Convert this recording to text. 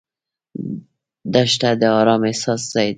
دښته د ارام احساس ځای ده.